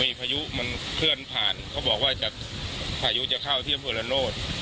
มีพายุมันเคลื่อนผ่านเค้าบอกว่าพายุจะเข้าเทียมธุระโนธ